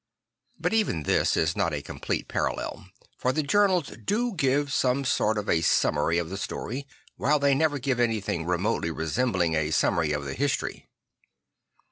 But even this is not a complete parallel; for the journals do give some sort of a summary of the story, while they never give anything remotely resembling a summary of the history.